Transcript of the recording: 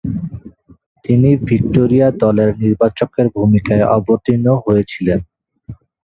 তিনি ভিক্টোরিয়া দলের নির্বাচকের ভূমিকায় অবতীর্ণ হয়েছিলেন।